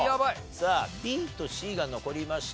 さあＢとＣが残りました。